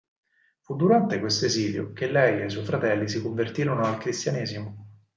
Fu durante questo esilio, che lei ed i suoi fratelli si convertirono al cristianesimo.